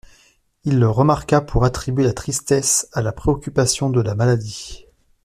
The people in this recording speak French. Il le remarqua pour attribuer la tristesse à la préoccupation de la maladie.